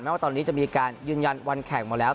ว่าตอนนี้จะมีการยืนยันวันแข่งหมดแล้ว